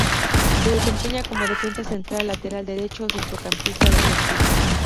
Se desempeña como defensa central, lateral derecho o centrocampista defensivo.